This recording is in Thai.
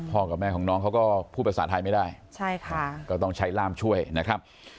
กับแม่ของน้องเขาก็พูดภาษาไทยไม่ได้ใช่ค่ะก็ต้องใช้ร่ามช่วยนะครับ